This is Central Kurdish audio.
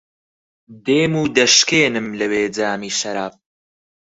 دێم و دەشکێنم لەوێ جامی شەراب